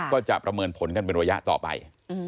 ประเมินผลกันเป็นระยะต่อไป